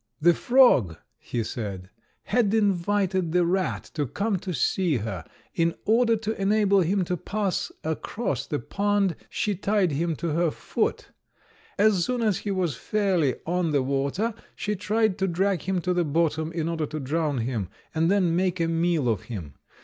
"The frog," he said, "had invited the rat to come to see her. In order to enable him to pass across the pond, she tied him to her foot. As soon as he was fairly on the water she tried to drag him to the bottom, in order to drown him, and then make a meal of him.